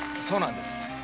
そうなんです。